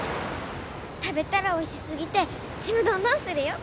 食べたらおいしすぎてちむどんどんするよ！